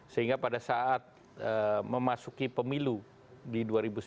sehingga pada saat memasuki pemilu di dua ribu sembilan belas